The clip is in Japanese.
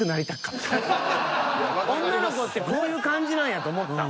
女の子ってこういう感じなんやと思った。